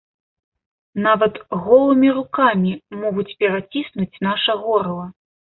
Нават голымі рукамі могуць пераціснуць наша горла.